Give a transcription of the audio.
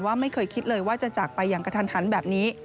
ไม่เคยคิดเลยว่าจะจากไปอย่างกระทันหันแบบนี้